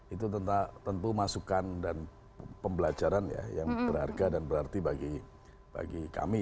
itu tentu masukan dan pembelajaran ya yang berharga dan berarti bagi kami